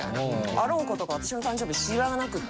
あろう事か私の誕生日知らなくて。